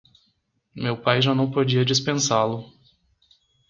meu pai já não podia dispensá-lo.